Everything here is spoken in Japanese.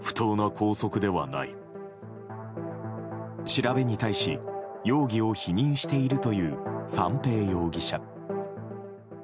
調べに対し容疑を否認しているという三瓶容疑者。